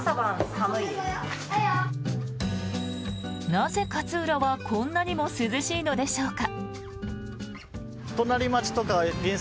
なぜ勝浦はこんなにも涼しいのでしょうか。